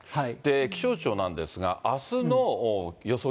気象庁なんですが、あすの予想